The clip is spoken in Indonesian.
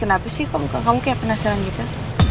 kenapa sih kamu kayak penasaran juga